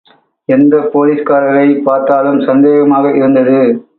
எந்தப் போலீஸ்காரரைப் பார்த்தாலும் சந்தேகமாக இருந்தது.